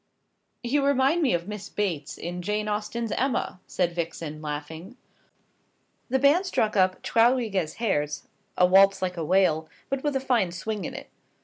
"You remind me of Miss Bates, in Jane Austen's 'Emma,'" said Vixen, laughing. The band struck up "Trauriges Herz," a waltz like a wail, but with a fine swing in it.